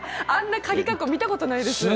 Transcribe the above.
あんなかぎかっこ見たことないです。